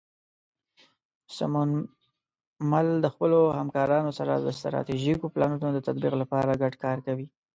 سمونمل د خپلو همکارانو سره د ستراتیژیکو پلانونو د تطبیق لپاره ګډ کار کوي.